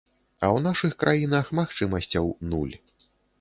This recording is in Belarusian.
А ў нашых краінах магчымасцяў нуль.